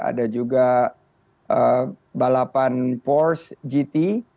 ada juga balapan force gt